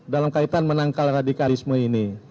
dalam kaitan menangkal radikalisme ini